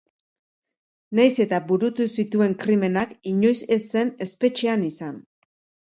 Nahiz eta burutu zituen krimenak inoiz ez zen espetxean izan.